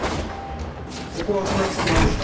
ここが船着き場ですか？